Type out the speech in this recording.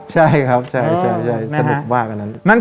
ใช่ครับสนุกมากอันนั้น